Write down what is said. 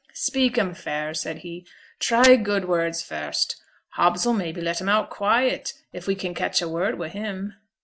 'Speak 'em fair,' said he; 'try good words first. Hobbs 'll mebbe let 'em out quiet, if we can catch a word wi' him.